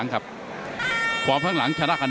นักมวยจอมคำหวังเว่เลยนะครับ